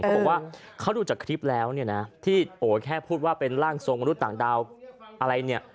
เขาบอกว่าเขาดูจากคลิปแล้วเนี่ยนะที่โอ้แค่พูดว่าเป็นร่างทรงมนุษย์ต่างดาวอะไรเนี่ย